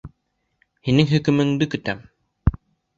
Һинең хөкөмөңдө көтәм.